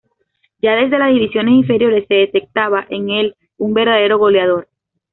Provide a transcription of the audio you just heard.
Ya desde las divisiones inferiores se detectaba en el un verdadero goleador.